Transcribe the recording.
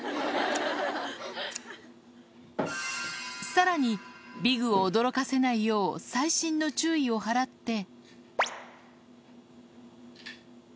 さらに、ビグを驚かせないよう細心の注意を払って。